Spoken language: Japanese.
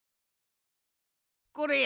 これや。